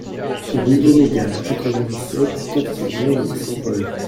Rue Oméga, quatre-vingt-dix-sept, quatre cent onze Saint-Paul